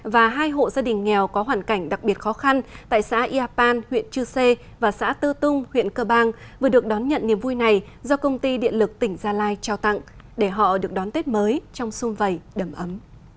và hai hộ gia đình nghèo có hoàn cảnh đặc biệt khó khăn tại xã yapan huyện chư sê và xã tư tung huyện cơ bang vừa được đón nhận niềm vui này do công ty điện lực tỉnh gia lai trao tặng để họ được đón tết mới trong sung vầy đầm ấm